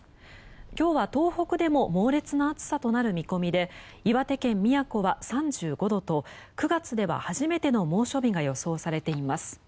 今日は東北でも猛烈な暑さとなる見込みで岩手県宮古は３５度と９月では初めての猛暑日が予想されています。